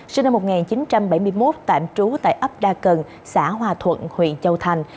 sinh năm một nghìn chín trăm bảy mươi một tạm trú tại ấp đa cần xã hòa thuận huyện châu thành